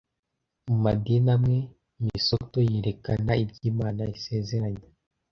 Mu madini amwe, misoto yerekana ibyo Imana isezeranya